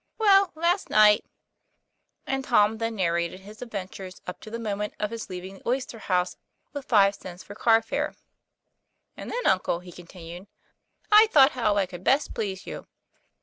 Well, last night " and Tom then narrated his adventures up to the moment of his leaving the oyster house with five cents for car fare. "And then, uncle," he contiuned, "I thought how I could best please you."